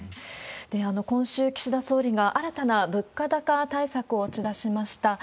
今週、岸田総理が新たな物価高対策を打ち出しました。